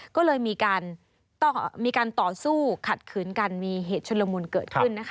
ก็เลยมีการต่อสู้ขัดขืนกันมีเหตุชุลมุนเกิดขึ้นนะคะ